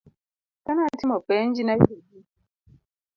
Kane atimo penj, nayudo B.